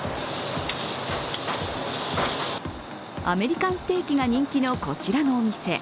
アメリカンステーキが人気のこちらのお店。